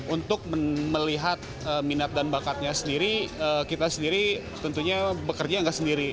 untuk melihat minat dan bakatnya sendiri kita sendiri tentunya bekerja nggak sendiri